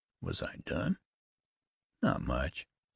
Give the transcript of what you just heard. Was I done? Not much.